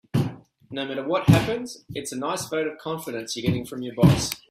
No matter what happens, it's a nice vote of confidence you're getting from your boss.